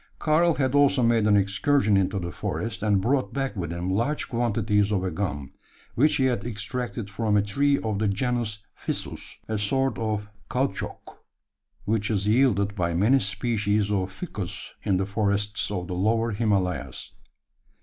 Karl had also made an excursion into the forest, and brought back with him large quantities of a gum, which he had extracted from a tree of the genus ficus a sort of caoutchouc which is yielded by many species of ficus in the forests of the Lower Himalayas.